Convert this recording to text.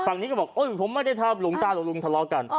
ฝั่งนี้เขาบอกผมไม่ได้ทำหลวงตาหลวงทะเลากัน